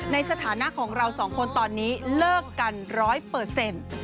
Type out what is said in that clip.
สถานะของเราสองคนตอนนี้เลิกกันร้อยเปอร์เซ็นต์